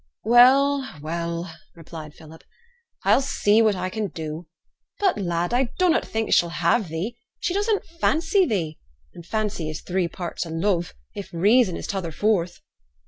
'Well, well,' replied Philip, 'I'll see what I can do; but, lad, I dunnot think she'll have thee. She doesn't fancy thee, and fancy is three parts o' love, if reason is t' other fourth.'